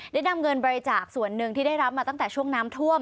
ได้นำเงินบริจาคส่วนหนึ่งที่ได้รับมาตั้งแต่ช่วงน้ำท่วม